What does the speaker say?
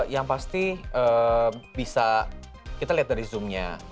yang pasti bisa kita lihat dari zoom nya